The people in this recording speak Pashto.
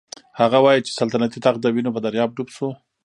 هغه وايي چې سلطنتي تخت د وینو په دریاب ډوب شو.